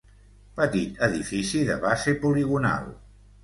Petit edifici de base poligonal.